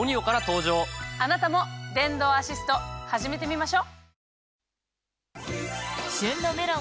あなたも電動アシスト始めてみましょ！